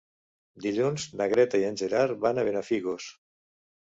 Dilluns na Greta i en Gerard van a Benafigos.